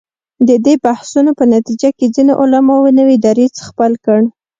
د دې بحثونو په نتیجه کې ځینو علماوو نوی دریځ خپل کړ.